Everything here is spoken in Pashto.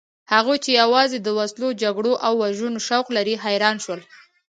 هغوی چې یوازې د وسلو، جګړو او وژنو شوق لري حیران شول.